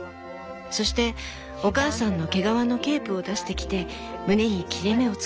そしてお母さんの毛皮のケープを出してきて胸に切れ目を作り